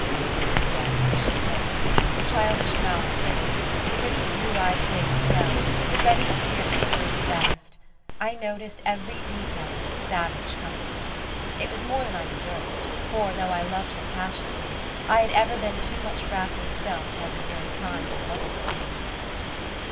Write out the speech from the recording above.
Yes she cared. The childish mouth quivered, the pretty blue eyed face fell, the ready tears flowed fast. I noticed every detail with savage comfort. It was more than I deserved, for, though I loved her passionately, I had ever been too much wrapped in self to have been very kind and lovable to her.